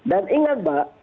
dan ingat mbak